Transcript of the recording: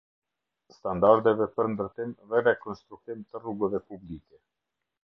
Standardeve për ndërtim dhe rekonstruktim të rrugëve publike.